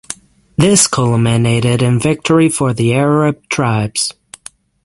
This culminated in victory for the Arab tribes.